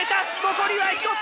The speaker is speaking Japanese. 残りは１つ！